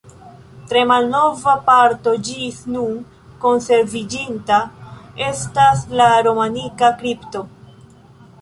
Tre malnova parto ĝis nun konserviĝinta estas la romanika kripto.